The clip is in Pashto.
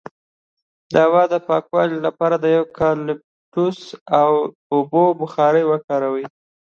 د هوا د پاکوالي لپاره د یوکالیپټوس او اوبو بخار وکاروئ